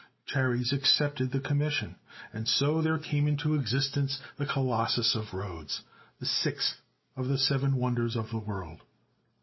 Chares accepted the commission, and so there came into existence the Colossus of Rhodes, the sixth of the Seven Wonders of the World.